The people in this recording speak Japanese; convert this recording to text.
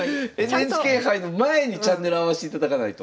ＮＨＫ杯の前にチャンネル合わしていただかないと。